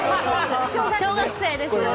小学生ですよ。